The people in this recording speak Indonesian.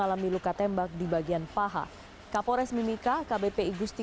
adalah keempat ilegal keabs accounts